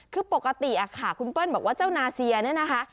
คือปกติค่ะคุณเปิ้ลบอกว่าเจ้านาเซียเนี่ยนะคะ